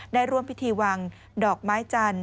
ได้ร่วมพิธีวางดอกไม้จันทร์